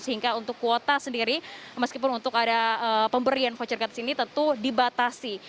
sehingga untuk kuota sendiri meskipun untuk ada pemberian voucher gratis ini tentu dibatasi